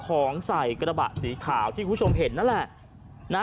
ของใส่กระบะสีขาวที่คุณผู้ชมเห็นนั่นแหละ